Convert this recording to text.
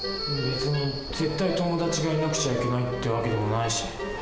別に「絶対友達がいなくちゃいけない」って訳でもないし。